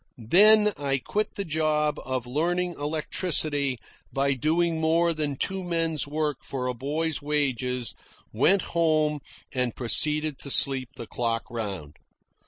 Then I quit the job of learning electricity by doing more than two men's work for a boy's wages, went home, and proceeded to sleep the clock around.